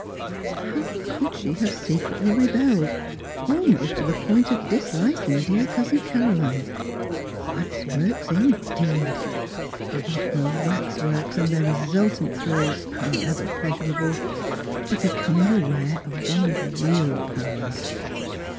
How could she have secretly rebelled — almost to the point of disliking dear Cousin Caroline? iWax works, indeed! What were wax works and THE HILL FAMILY 69 their resultant thrills, however pleasurable, to be coming aware of one's real powers?